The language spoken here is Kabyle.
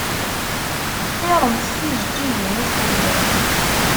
Xtiremt tijeǧǧigin i tḥemmlemt.